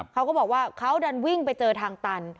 เขาก็บอกว่าเขาดันวิ่งไปเจอทางตัน